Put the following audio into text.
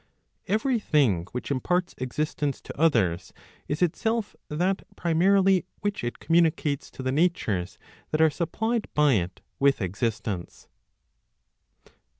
Every thing which imparts existence to others, is itself that primarily which it communicates to the natures that are supplied by it with existence.